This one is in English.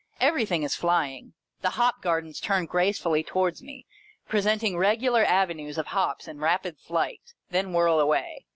Everything is flying. The hop gardens turn gracefully towards me, presenting regular avenues of hops in rapid flight, then whirl away.